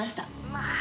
「まあ！